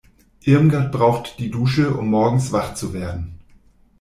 Irmgard braucht die Dusche, um morgens wach zu werden.